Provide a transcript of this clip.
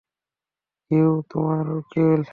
Huey তোমার উকিল।